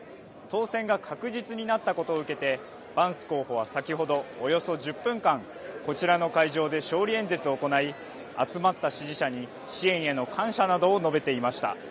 当選が確実になったことを受けてバンス候補は先ほどおよそ１０分間、こちらの会場で勝利演説を行い集まった支持者に支援への感謝などを述べていました。